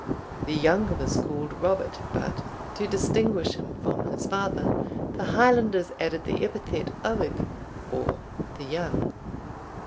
The younger was called Robert; but, to distinguish him from his father, the Highlanders added the epithet Oig, or the young.